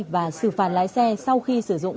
và xử phạt lái xe sau khi sử dụng